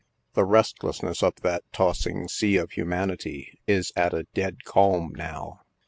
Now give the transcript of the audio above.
The restlessness of that tossing sea of humanity is at a dead calm now.